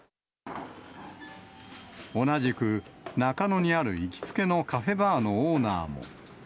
同じく、中野にある行きつけのカフェバーのオーナーも。